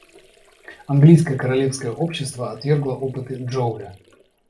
Английское Королевское общество отвергло опыты Джоуля.